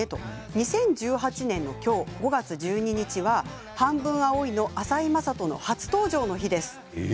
２０１８年、今日５月１２日は「半分、青い。」の朝井正人君、初登場の日です。